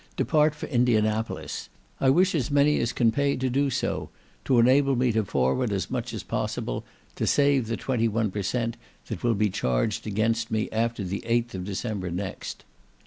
depart for Indianopolis; I wish as many as can pay to do so, to enable me to forward as much as possible, to save the twenty one per cent, that will be charged against me after the 8th of December next.